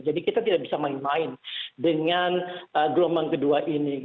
jadi kita tidak bisa main main dengan gelombang kedua ini